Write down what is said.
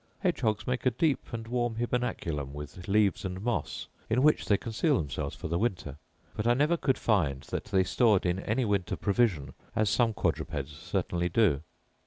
Hedge hogs make a deep and warm hybernaculum with leaves and moss, in which they conceal themselves for the winter: but I never could find that they stored in any winter provision, as some quadrupeds certainly do.